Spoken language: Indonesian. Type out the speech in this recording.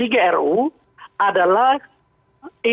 ini merupakan hal yang sangat menarik dan menarik